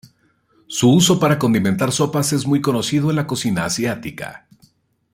Su uso para condimentar sopas es muy conocido en la cocina asiática.